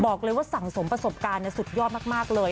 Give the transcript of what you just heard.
บอกเลยว่าสั่งสมประสบการณ์สุดยอดมากเลย